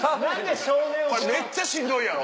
これめっちゃしんどいやろ？